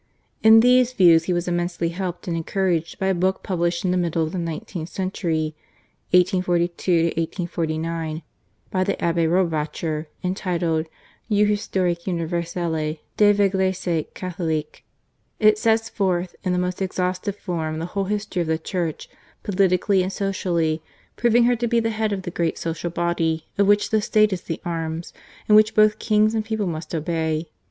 In these views he was immensely helped and encouraged by a book pub lished in the middle of the nineteenth century (1842 — 1849) by the Abb6 Rohrbacher, entitled U Historic Universellc dc VEglise Catholiqiie. It sets forth in the most exhaustive form the whole history of the Church, politically and socially, proving her to be the head of the great social body, of which the State is the arms, and which both kings and people must obey.